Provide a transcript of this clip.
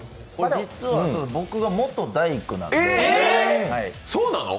実は僕が元大工なんで。